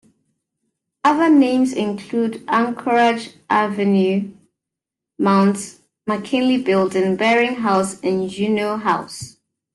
Other names include Anchorage Avenue, Mount McKinley Building, Bering House and Juneau House.